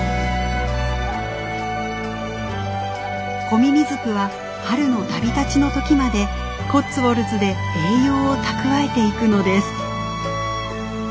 コミミズクは春の旅立ちの時までコッツウォルズで栄養を蓄えていくのです。